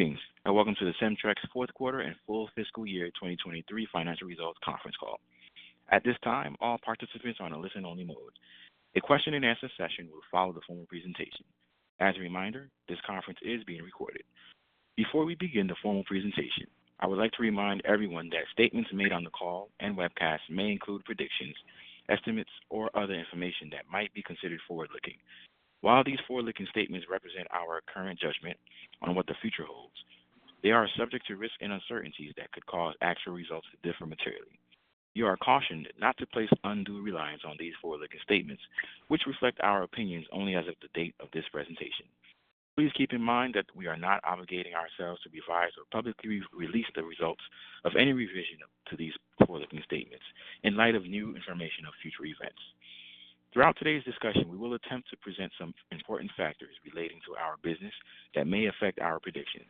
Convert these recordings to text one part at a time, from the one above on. Greetings and welcome to the Cemtrex fourth quarter and full fiscal year 2023 financial results conference call. At this time, all participants are in a listen-only mode. A question-and-answer session will follow the formal presentation. As a reminder, this conference is being recorded. Before we begin the formal presentation, I would like to remind everyone that statements made on the call and webcast may include predictions, estimates, or other information that might be considered forward-looking. While these forward-looking statements represent our current judgment on what the future holds, they are subject to risk and uncertainties that could cause actual results to differ materially. You are cautioned not to place undue reliance on these forward-looking statements, which reflect our opinions only as of the date of this presentation. Please keep in mind that we are not obligating ourselves to advise or publicly release the results of any revision to these forward-looking statements in light of new information of future events. Throughout today's discussion, we will attempt to present some important factors relating to our business that may affect our predictions.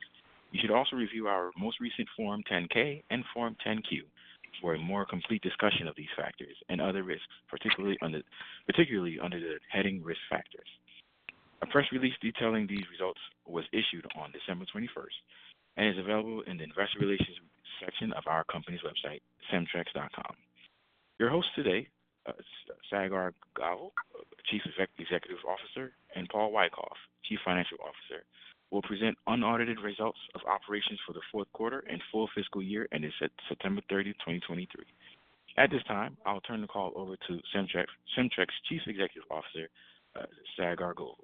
You should also review our most recent Form 10-K and Form 10-Q for a more complete discussion of these factors and other risks, particularly under the heading Risk Factors. A press release detailing these results was issued on December 21st and is available in the Investor Relations section of our company's website, Cemtrex.com. Your hosts today, Saagar Govil, Chief Executive Officer, and Paul Wyckoff, Chief Financial Officer, will present unaudited results of operations for the fourth quarter and full fiscal year ending September 30, 2023. At this time, I'll turn the call over to Cemtrex Chief Executive Officer Saagar Govil.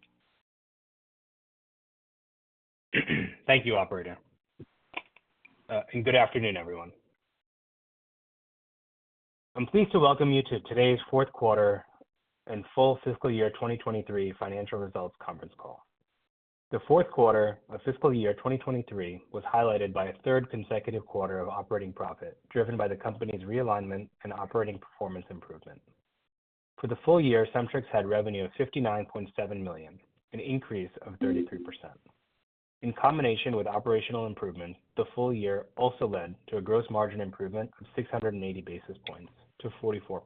Thank you, Operator. And good afternoon, everyone. I'm pleased to welcome you to today's fourth quarter and full fiscal year 2023 financial results conference call. The fourth quarter of fiscal year 2023 was highlighted by a third consecutive quarter of operating profit driven by the company's realignment and operating performance improvement. For the full year, Cemtrex had revenue of $59.7 million, an increase of 33%. In combination with operational improvements, the full year also led to a gross margin improvement of 680 basis points to 44%.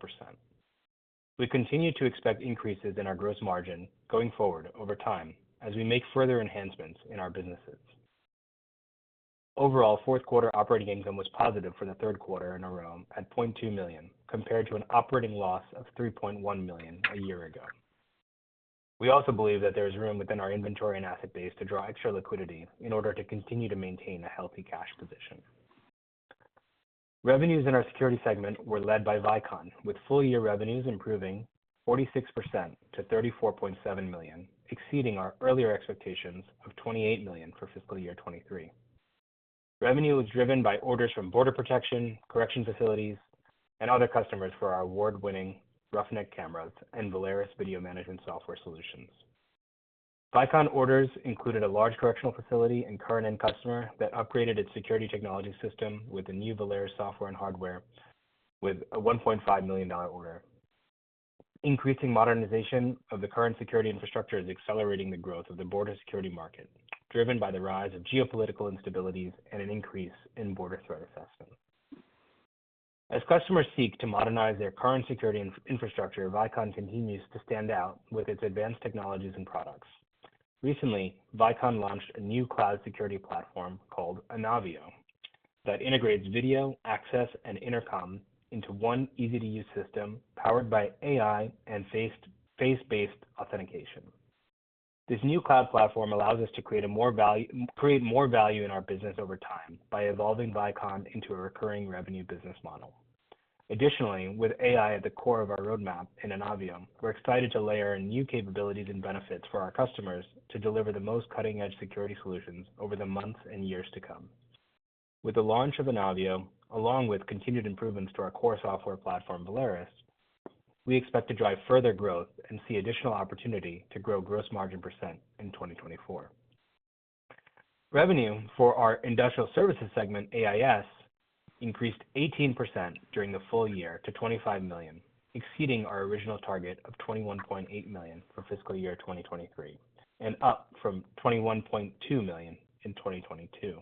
We continue to expect increases in our gross margin going forward over time as we make further enhancements in our businesses. Overall, fourth quarter operating income was positive for the third quarter in a row at $0.2 million compared to an operating loss of $3.1 million a year ago. We also believe that there is room within our inventory and asset base to draw extra liquidity in order to continue to maintain a healthy cash position. Revenues in our security segment were led by Vicon, with full-year revenues improving 46% to $34.7 million, exceeding our earlier expectations of $28 million for fiscal year 2023. Revenue was driven by orders from border protection, correctional facilities, and other customers for our award-winning Roughneck cameras and Valerus video management software solutions. Vicon orders included a large correctional facility and current-end customer that upgraded its security technology system with the new Valerus software and hardware with a $1.5 million order. Increasing modernization of the current security infrastructure is accelerating the growth of the border security market, driven by the rise of geopolitical instabilities and an increase in border threat assessment. As customers seek to modernize their current security infrastructure, Vicon continues to stand out with its advanced technologies and products. Recently, Vicon launched a new cloud security platform called Anavio that integrates video, access, and intercom into one easy-to-use system powered by AI and face-based authentication. This new cloud platform allows us to create more value in our business over time by evolving Vicon into a recurring revenue business model. Additionally, with AI at the core of our roadmap in Anavio, we're excited to layer new capabilities and benefits for our customers to deliver the most cutting-edge security solutions over the months and years to come. With the launch of Anavio, along with continued improvements to our core software platform, Valerus, we expect to drive further growth and see additional opportunity to grow gross margin % in 2024. Revenue for our industrial services segment, AIS, increased 18% during the full year to $25 million, exceeding our original target of $21.8 million for fiscal year 2023 and up from $21.2 million in 2022.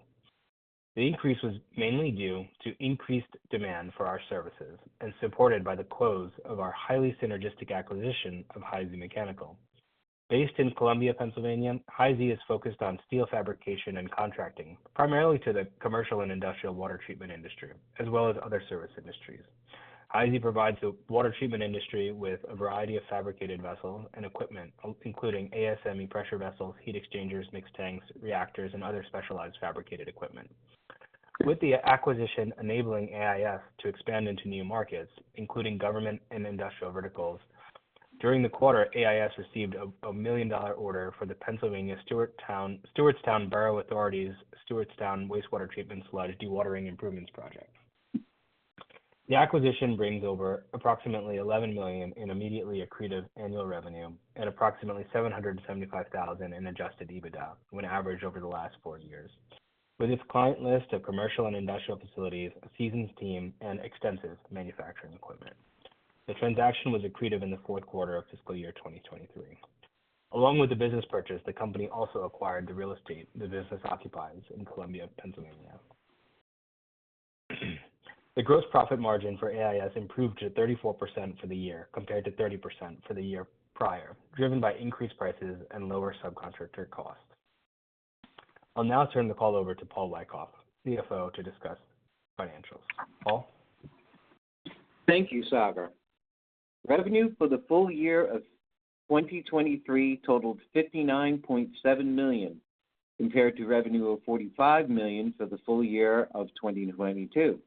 The increase was mainly due to increased demand for our services and supported by the close of our highly synergistic acquisition of Heisey Mechanical. Based in Columbia, Pennsylvania, Heisey Mechanical is focused on steel fabrication and contracting, primarily to the commercial and industrial water treatment industry, as well as other service industries. Heisey Mechanical provides the water treatment industry with a variety of fabricated vessels and equipment, including ASME pressure vessels, heat exchangers, mix tanks, reactors, and other specialized fabricated equipment. With the acquisition enabling AIS to expand into new markets, including government and industrial verticals, during the quarter, AIS received a $1 million order for the Pennsylvania Stewartstown Borough Authority's Stewartstown wastewater treatment sludge dewatering improvements project. The acquisition brings over approximately $11 million in immediately accretive annual revenue and approximately $775,000 in Adjusted EBITDA, when averaged over the last four years, with its client list of commercial and industrial facilities, a seasoned team, and extensive manufacturing equipment. The transaction was accretive in the fourth quarter of fiscal year 2023. Along with the business purchase, the company also acquired the real estate the business occupies in Columbia, Pennsylvania. The gross profit margin for AIS improved to 34% for the year compared to 30% for the year prior, driven by increased prices and lower subcontractor costs. I'll now turn the call over to Paul Wyckoff, CFO, to discuss financials. Paul? Thank you, Saagar. Revenue for the full year of 2023 totaled $59.7 million compared to revenue of $45 million for the full year of 2022,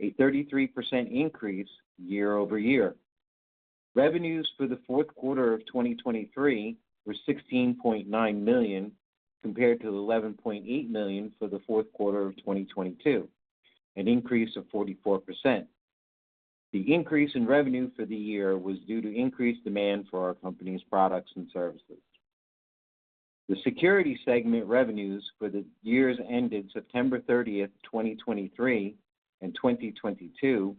a 33% increase year-over-year. Revenues for the fourth quarter of 2023 were $16.9 million compared to $11.8 million for the fourth quarter of 2022, an increase of 44%. The increase in revenue for the year was due to increased demand for our company's products and services. The security segment revenues for the years ended September 30, 2023, and 2022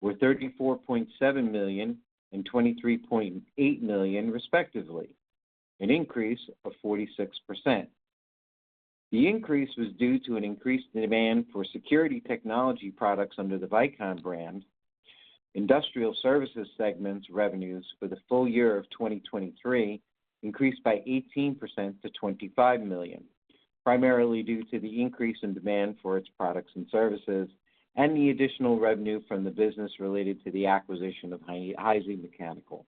were $34.7 million and $23.8 million, respectively, an increase of 46%. The increase was due to an increased demand for security technology products under the Vicon brand. Industrial services segment revenues for the full year of 2023 increased by 18% to $25 million, primarily due to the increase in demand for its products and services and the additional revenue from the business related to the acquisition of Heisey Mechanical.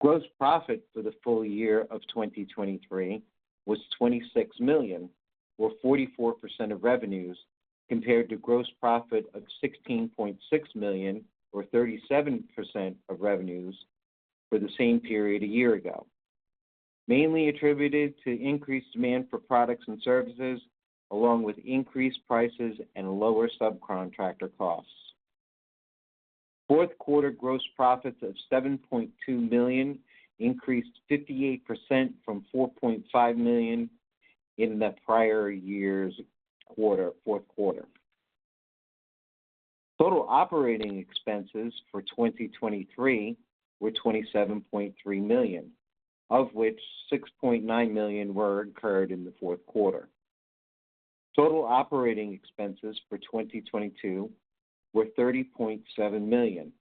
Gross profit for the full year of 2023 was $26 million, or 44% of revenues, compared to gross profit of $16.6 million, or 37% of revenues, for the same period a year ago, mainly attributed to increased demand for products and services along with increased prices and lower subcontractor costs. Fourth quarter gross profits of $7.2 million increased 58% from $4.5 million in the prior year's fourth quarter. Total operating expenses for 2023 were $27.3 million, of which $6.9 million were incurred in the fourth quarter. Total operating expenses for 2022 were $30.7 million.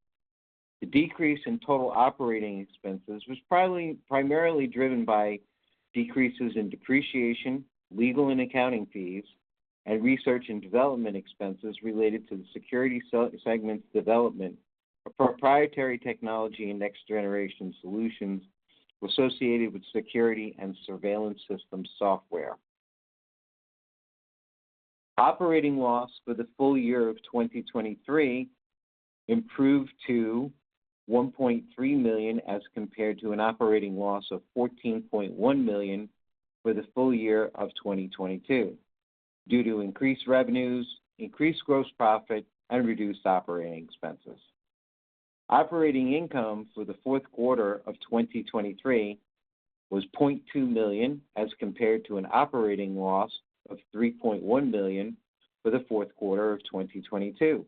The decrease in total operating expenses was primarily driven by decreases in depreciation, legal and accounting fees, and research and development expenses related to the security segment's development of proprietary technology and next-generation solutions associated with security and surveillance systems software. Operating loss for the full year of 2023 improved to $1.3 million as compared to an operating loss of $14.1 million for the full year of 2022 due to increased revenues, increased gross profit, and reduced operating expenses. Operating income for the fourth quarter of 2023 was $0.2 million as compared to an operating loss of $3.1 million for the fourth quarter of 2022.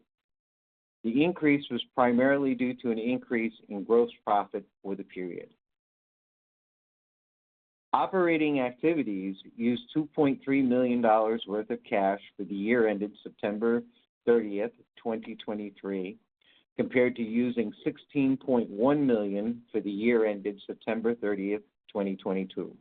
The increase was primarily due to an increase in gross profit for the period. Operating activities used $2.3 million worth of cash for the year ended September 30, 2023, compared to using $16.1 million for the year ended September 30, 2022.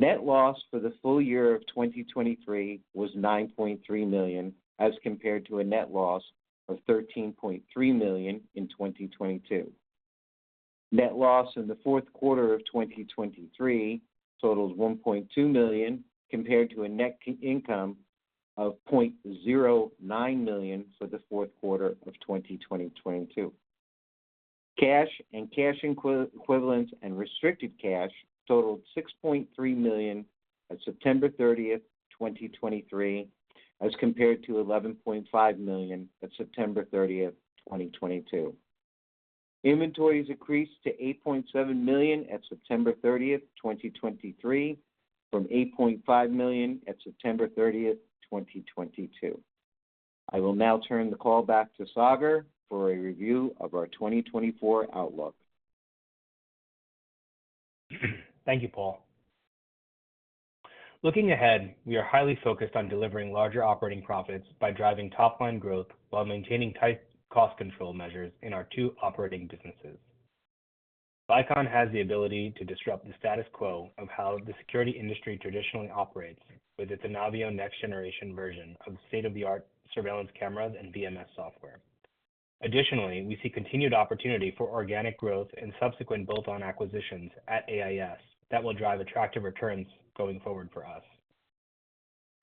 Net loss for the full year of 2023 was $9.3 million as compared to a net loss of $13.3 million in 2022. Net loss in the fourth quarter of 2023 totaled $1.2 million compared to a net income of $0.09 million for the fourth quarter of 2022. Cash and cash equivalents and restricted cash totaled $6.3 million at September 30, 2023, as compared to $11.5 million at September 30, 2022. Inventories increased to $8.7 million at September 30, 2023, from $8.5 million at September 30, 2022. I will now turn the call back to Saagar for a review of our 2024 outlook. Thank you, Paul. Looking ahead, we are highly focused on delivering larger operating profits by driving top-line growth while maintaining tight cost control measures in our two operating businesses. Vicon has the ability to disrupt the status quo of how the security industry traditionally operates with its Anavio next-generation version of state-of-the-art surveillance cameras and VMS software. Additionally, we see continued opportunity for organic growth and subsequent bolt-on acquisitions at AIS that will drive attractive returns going forward for us.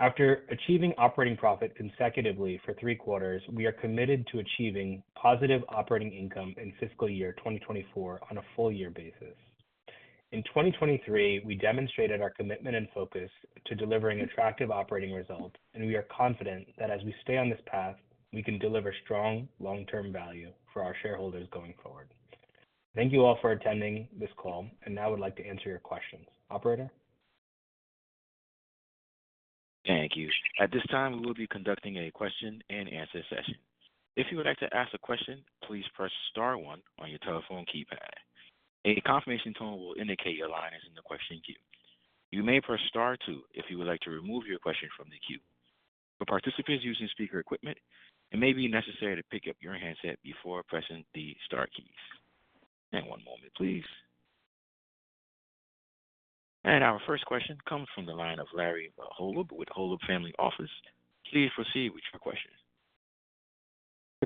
After achieving operating profit consecutively for three quarters, we are committed to achieving positive operating income in fiscal year 2024 on a full-year basis. In 2023, we demonstrated our commitment and focus to delivering attractive operating results, and we are confident that as we stay on this path, we can deliver strong long-term value for our shareholders going forward. Thank you all for attending this call, and now would like to answer your questions. Operator? Thank you. At this time, we will be conducting a question and answer session. If you would like to ask a question, please press star one on your telephone keypad. A confirmation tone will indicate your line is in the question queue. You may press star two if you would like to remove your question from the queue. For participants using speaker equipment, it may be necessary to pick up your handset before pressing the star keys. One moment, please. Our first question comes from the line of Larry Holub with Holub Family Office. Please proceed with your question.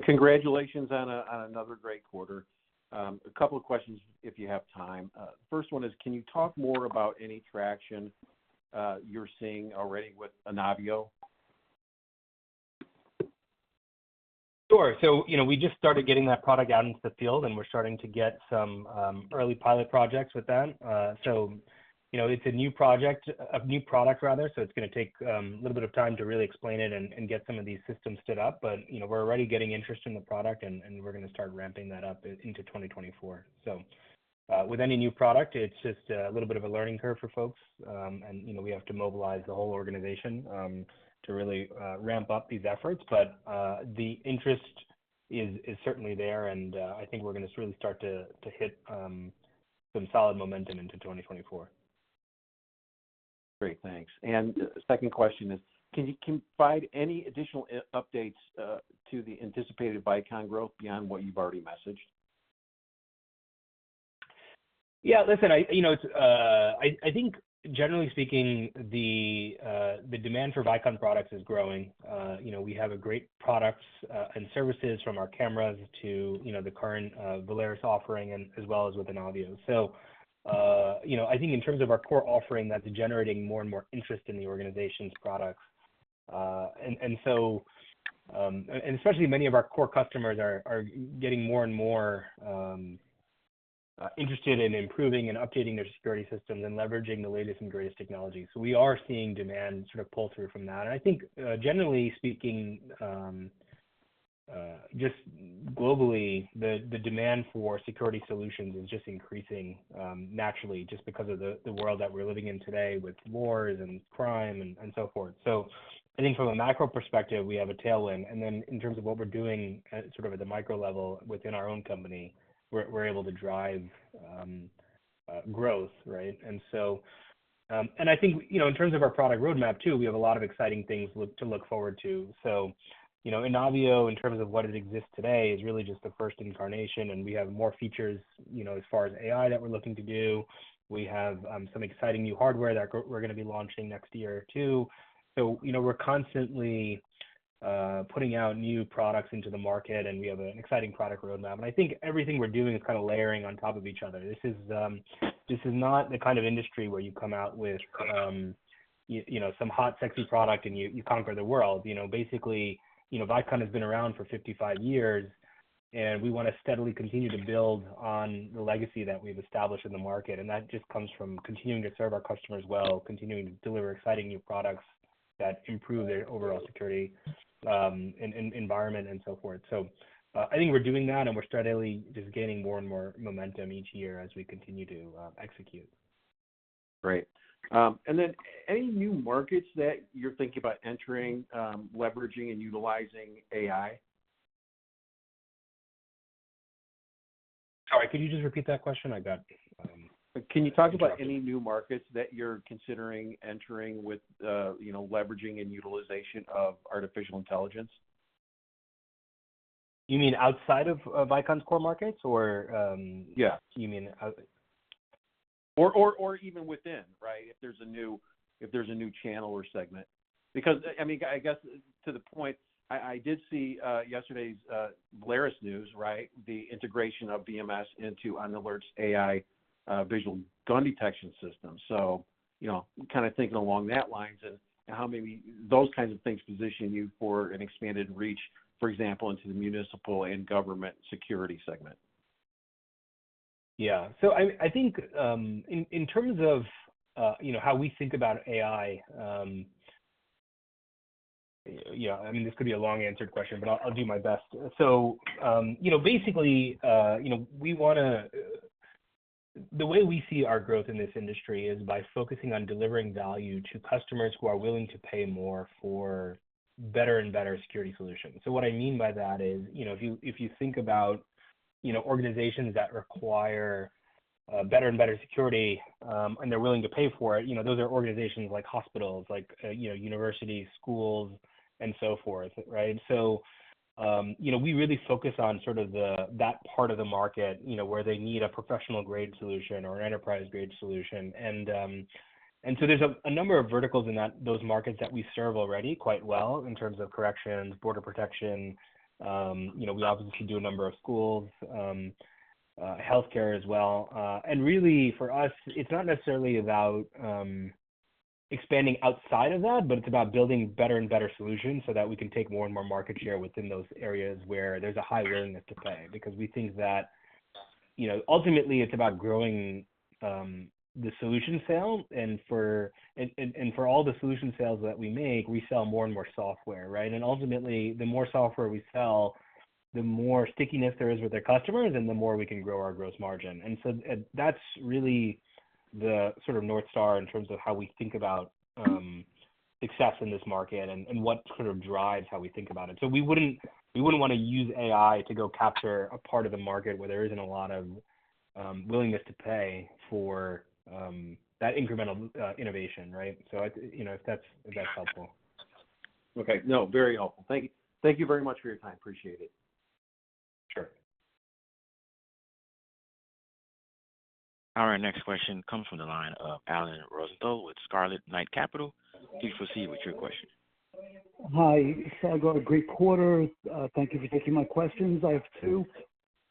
Congratulations on another great quarter. A couple of questions if you have time. The first one is, can you talk more about any traction you're seeing already with Anavio? Sure. So we just started getting that product out into the field, and we're starting to get some early pilot projects with that. So it's a new product, rather, so it's going to take a little bit of time to really explain it and get some of these systems stood up. But we're already getting interest in the product, and we're going to start ramping that up into 2024. So with any new product, it's just a little bit of a learning curve for folks, and we have to mobilize the whole organization to really ramp up these efforts. But the interest is certainly there, and I think we're going to really start to hit some solid momentum into 2024. Great. Thanks. Second question is, can you provide any additional updates to the anticipated Vicon growth beyond what you've already messaged? Yeah. Listen, I think, generally speaking, the demand for Vicon products is growing. We have great products and services from our cameras to the current Valerus offering, as well as with Anavio. So I think in terms of our core offering, that's generating more and more interest in the organization's products. And especially many of our core customers are getting more and more interested in improving and updating their security systems and leveraging the latest and greatest technologies. So we are seeing demand sort of pull through from that. And I think, generally speaking, just globally, the demand for security solutions is just increasing naturally just because of the world that we're living in today with wars and crime and so forth. So I think from a macro perspective, we have a tailwind. And then in terms of what we're doing sort of at the micro level within our own company, we're able to drive growth, right? And I think in terms of our product roadmap too, we have a lot of exciting things to look forward to. So Anavio, in terms of what it exists today, is really just the first incarnation, and we have more features as far as AI that we're looking to do. We have some exciting new hardware that we're going to be launching next year too. So we're constantly putting out new products into the market, and we have an exciting product roadmap. And I think everything we're doing is kind of layering on top of each other. This is not the kind of industry where you come out with some hot, sexy product, and you conquer the world. Basically, Vicon has been around for 55 years, and we want to steadily continue to build on the legacy that we've established in the market. And that just comes from continuing to serve our customers well, continuing to deliver exciting new products that improve their overall security environment and so forth. So I think we're doing that, and we're steadily just gaining more and more momentum each year as we continue to execute. Great. And then any new markets that you're thinking about entering, leveraging, and utilizing AI? Sorry, could you just repeat that question? I got. Can you talk about any new markets that you're considering entering with leveraging and utilization of artificial intelligence? You mean outside of Vicon's core markets, or do you mean? Yeah. Or even within, right, if there's a new channel or segment. Because I mean, I guess to the point, I did see yesterday's Valerus news, right, the integration of VMS into GunAlert AI visual gun detection system. So kind of thinking along those lines and how maybe those kinds of things position you for an expanded reach, for example, into the municipal and government security segment. Yeah. So I think in terms of how we think about AI, I mean, this could be a long-answered question, but I'll do my best. So basically, we want to the way we see our growth in this industry is by focusing on delivering value to customers who are willing to pay more for better and better security solutions. So what I mean by that is if you think about organizations that require better and better security and they're willing to pay for it, those are organizations like hospitals, like universities, schools, and so forth, right? So we really focus on sort of that part of the market where they need a professional-grade solution or an enterprise-grade solution. And so there's a number of verticals in those markets that we serve already quite well in terms of corrections, border protection. We obviously do a number of schools, healthcare as well. And really, for us, it's not necessarily about expanding outside of that, but it's about building better and better solutions so that we can take more and more market share within those areas where there's a higher willingness to pay. Because we think that ultimately, it's about growing the solution sale. And for all the solution sales that we make, we sell more and more software, right? And ultimately, the more software we sell, the more stickiness there is with our customers, and the more we can grow our gross margin. And so that's really the sort of north star in terms of how we think about success in this market and what sort of drives how we think about it. So we wouldn't want to use AI to go capture a part of the market where there isn't a lot of willingness to pay for that incremental innovation, right? So if that's helpful. Okay. No, very helpful. Thank you very much for your time. Appreciate it. Sure. All right. Next question comes from the line of Alan Rosenthal with Scarlet Knight Capital. Please proceed with your question. Hi. Saagar, great quarter. Thank you for taking my questions. I have two.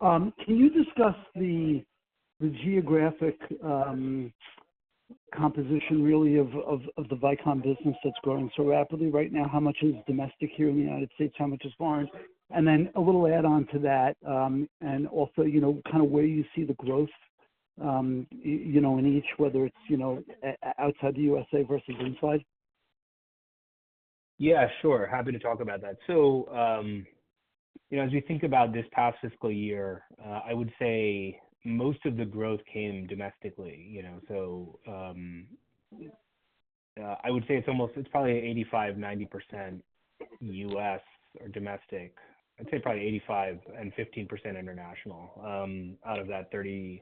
Can you discuss the geographic composition, really, of the Vicon business that's growing so rapidly right now? How much is domestic here in the United States? How much is foreign? And then a little add-on to that, and also kind of where you see the growth in each, whether it's outside the USA versus inside? Yeah, sure. Happy to talk about that. So as we think about this past fiscal year, I would say most of the growth came domestically. So I would say it's probably 85%-90% U.S. or domestic. I'd say probably 85% and 15% international out of that $34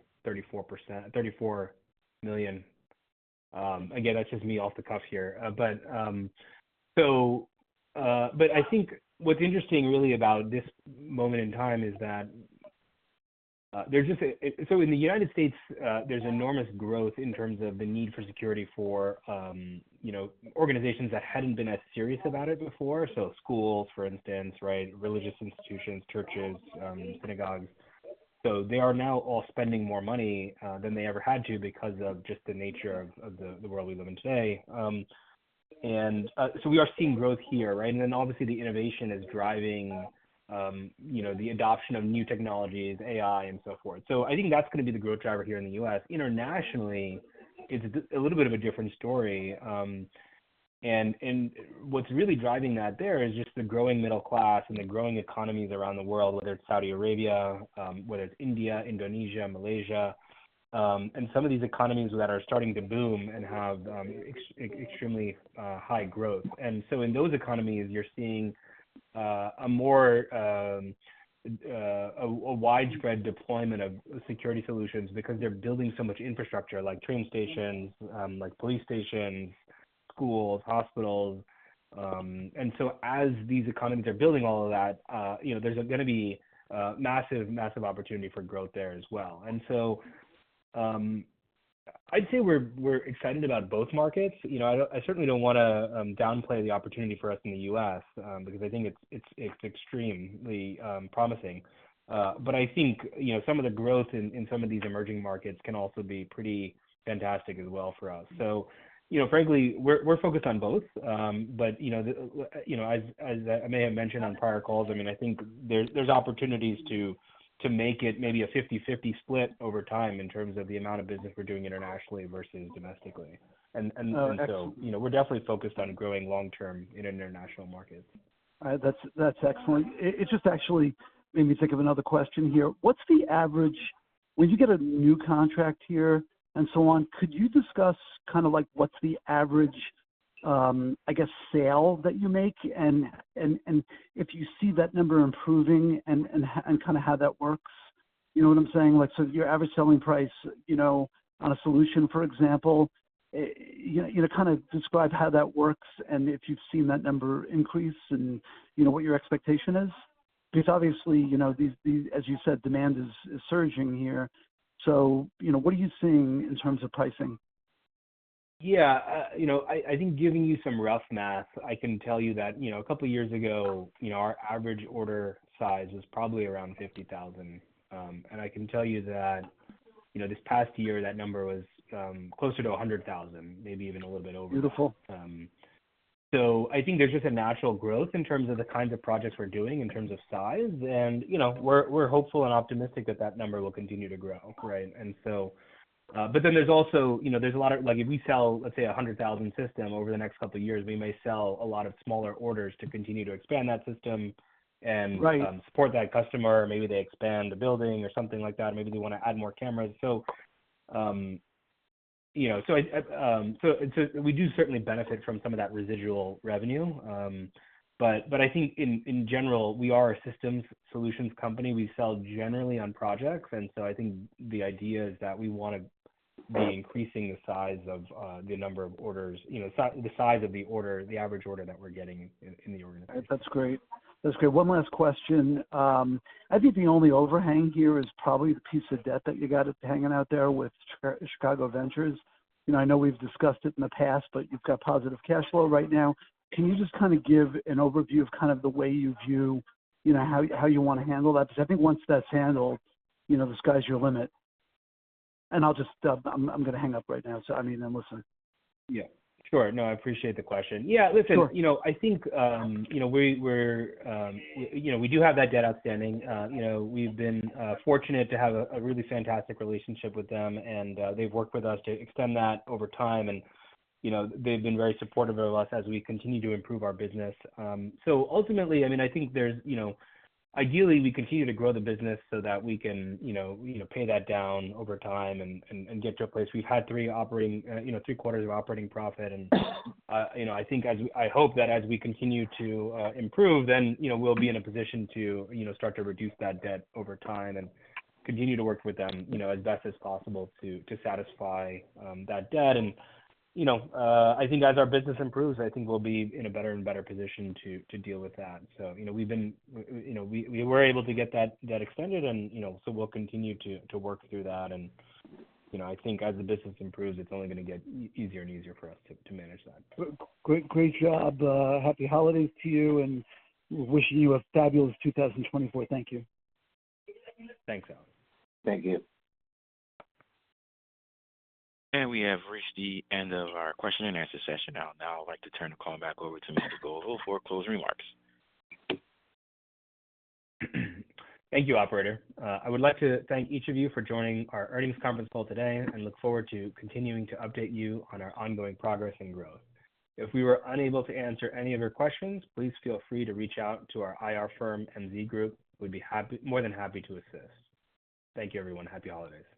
million. Again, that's just me off the cuff here. But I think what's interesting, really, about this moment in time is that there's just so in the United States, there's enormous growth in terms of the need for security for organizations that hadn't been as serious about it before. So schools, for instance, right, religious institutions, churches, synagogues. So they are now all spending more money than they ever had to because of just the nature of the world we live in today. And so we are seeing growth here, right? And then obviously, the innovation is driving the adoption of new technologies, AI, and so forth. So I think that's going to be the growth driver here in the U.S. Internationally, it's a little bit of a different story. And what's really driving that there is just the growing middle class and the growing economies around the world, whether it's Saudi Arabia, whether it's India, Indonesia, Malaysia, and some of these economies that are starting to boom and have extremely high growth. And so in those economies, you're seeing a widespread deployment of security solutions because they're building so much infrastructure, like train stations, like police stations, schools, hospitals. And so as these economies are building all of that, there's going to be massive, massive opportunity for growth there as well. And so I'd say we're excited about both markets. I certainly don't want to downplay the opportunity for us in the U.S. because I think it's extremely promising. But I think some of the growth in some of these emerging markets can also be pretty fantastic as well for us. So frankly, we're focused on both. But as I may have mentioned on prior calls, I mean, I think there's opportunities to make it maybe a 50/50 split over time in terms of the amount of business we're doing internationally versus domestically. And so we're definitely focused on growing long-term in international markets. That's excellent. It just actually made me think of another question here. When you get a new contract here and so on, could you discuss kind of what's the average, I guess, sale that you make? And if you see that number improving and kind of how that works, you know what I'm saying? So your average selling price on a solution, for example, kind of describe how that works and if you've seen that number increase and what your expectation is. Because obviously, as you said, demand is surging here. So what are you seeing in terms of pricing? Yeah. I think giving you some rough math, I can tell you that a couple of years ago, our average order size was probably around $50,000. I can tell you that this past year, that number was closer to $100,000, maybe even a little bit over. Beautiful. So I think there's just a natural growth in terms of the kinds of projects we're doing in terms of size. We're hopeful and optimistic that that number will continue to grow, right? Then there's also a lot of if we sell, let's say, a 100,000 system over the next couple of years, we may sell a lot of smaller orders to continue to expand that system and support that customer. Maybe they expand the building or something like that. Maybe they want to add more cameras. So we do certainly benefit from some of that residual revenue. I think in general, we are a systems solutions company. We sell generally on projects. So I think the idea is that we want to be increasing the size of the number of orders, the size of the order, the average order that we're getting in the organization. That's great. That's great. One last question. I think the only overhang here is probably the piece of debt that you got hanging out there with Chicago Ventures. I know we've discussed it in the past, but you've got positive cash flow right now. Can you just kind of give an overview of kind of the way you view how you want to handle that? Because I think once that's handled, the sky's your limit. I'm going to hang up right now. So I mean, then listen. Yeah. Sure. No, I appreciate the question. Yeah. Listen, I think we do have that debt outstanding. We've been fortunate to have a really fantastic relationship with them, and they've worked with us to extend that over time. They've been very supportive of us as we continue to improve our business. So ultimately, I mean, I think ideally, we continue to grow the business so that we can pay that down over time and get to a place. We've had three quarters of operating profit. I think I hope that as we continue to improve, then we'll be in a position to start to reduce that debt over time and continue to work with them as best as possible to satisfy that debt. I think as our business improves, I think we'll be in a better and better position to deal with that. We were able to get that extended, and so we'll continue to work through that. I think as the business improves, it's only going to get easier and easier for us to manage that. Great job. Happy holidays to you, and wishing you a fabulous 2024. Thank you. Thanks, Alan. Thank you. We have reached the end of our question-and-answer session. Now, I'd like to turn the call back over to Mr. Govil for closing remarks. Thank you, operator. I would like to thank each of you for joining our earnings conference call today and look forward to continuing to update you on our ongoing progress and growth. If we were unable to answer any of your questions, please feel free to reach out to our IR firm, MZ Group. We'd be more than happy to assist. Thank you, everyone. Happy holidays.